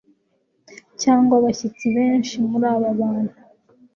cyangwa abashyitsi Benshi muri aba bantu